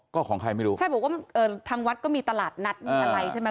ก็ของใครไม่รู้ใช่บอกว่าเอ่อทางวัดก็มีตลาดนัดมีอะไรใช่ไหม